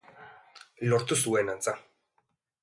Lortu zuen, antza.